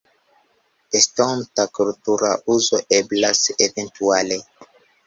Estonta kultura uzo eblas eventuale.